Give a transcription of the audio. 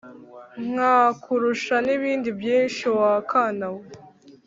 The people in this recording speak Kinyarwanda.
Nkakurusha n'ibindi byinshi wa kana we